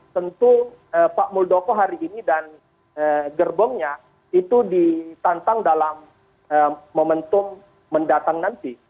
tentu pak muldoko hari ini dan gerbongnya itu ditantang dalam momentum mendatang nanti